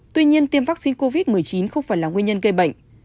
tuy nhiên tiêm vaccine covid một mươi chín không phải là nguyên nhân gây bệnh